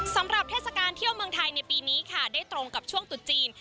เทศกาลเที่ยวเมืองไทยในปีนี้ค่ะได้ตรงกับช่วงตุดจีน